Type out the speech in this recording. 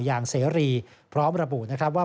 เสรีพร้อมระบุนะครับว่า